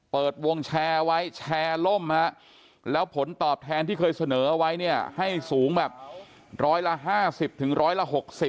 เปิดวงแชร์ไว้แชร์ล่มฮะแล้วผลตอบแทนที่เคยเสนอเอาไว้เนี่ยให้สูงแบบร้อยละ๕๐ถึงร้อยละ๖๐